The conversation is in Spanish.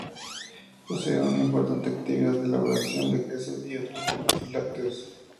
Posee una importante actividad de elaboración de quesos y otros productos lácteos.